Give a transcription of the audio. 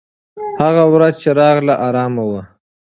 هغه ورځ چې راغله، ارامه وه.